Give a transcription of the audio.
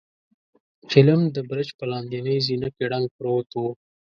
چيلم د برج په لاندنۍ زينه کې ړنګ پروت و.